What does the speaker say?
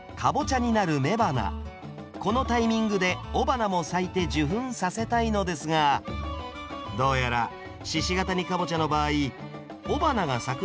このタイミングで雄花も咲いて受粉させたいのですがどうやら鹿ケ谷かぼちゃの場合雄花が咲くのはつるの先の方。